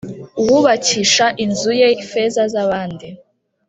Uwubakisha inzu ye feza z’abandi,